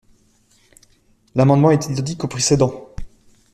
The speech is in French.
L’amendement est identique au précédent.